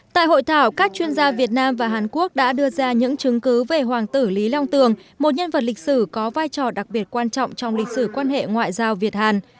tại hội thảo các chuyên gia việt nam và hàn quốc đã đưa ra những chứng cứ về hoàng tử lý long tường một nhân vật lịch sử có vai trò đặc biệt quan trọng trong lịch sử quan hệ ngoại giao việt hàn